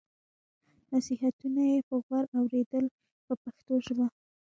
نصیحتونه یې په غور اورېدل په پښتو ژبه.